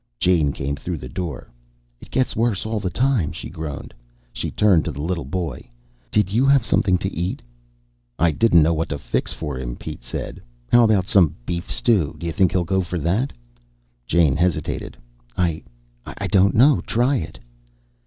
Jane came through the door. "It gets worse all the time," she groaned. She turned to the little boy. "Did you have something to eat?" "I didn't know what to fix for him," Pete said. "How about some beef stew? Do you think he'd go for that?" Jane hesitated. "I I don't know. Try it."